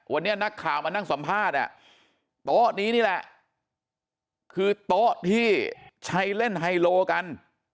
วันนี้นักข่าวมานั่งสัมภาษณ์โต๊ะนี้นี่แหละคือโต๊ะที่ใช้เล่นไฮโลกัน